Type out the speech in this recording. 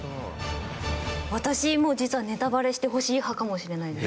私も実はネタバレしてほしい派かもしれないです。